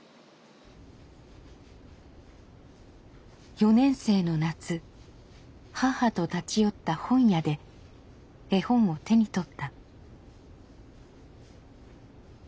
４年生の夏母と立ち寄った本屋で絵本を手に取った。